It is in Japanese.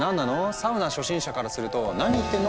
サウナ初心者からすると「何言ってんの？」